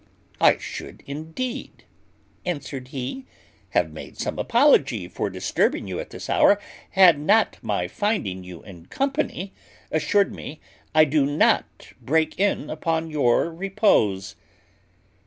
"I should indeed," answered he, "have made some apology for disturbing you at this hour, had not my finding you in company assured me I do not break in upon your repose."